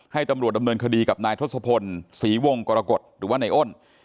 ให้ตำรวจดำเนินคดีกับนายทศพลศรีวงกรกฎหรือว่าในอ้น